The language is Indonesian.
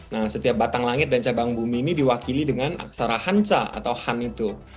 nah setiap batang langit dan cabang bumi ini diwakili dengan aksara hansa atau han itu